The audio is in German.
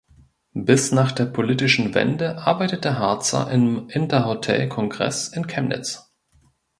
Bis nach der politischen Wende arbeitete Harzer im Interhotel „Kongreß“ in Chemnitz.